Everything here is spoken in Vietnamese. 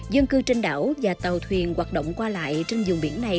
dân cư trên đảo và tàu thuyền hoạt động qua lại trên dùng biển này